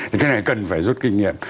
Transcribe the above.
thì cái này cần phải rút kinh nghiệm